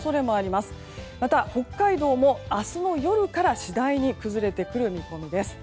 また北海道も明日の夜から次第に崩れてくる見込みです。